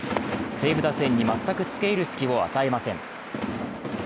西武打線に全くつけいる隙を与えません。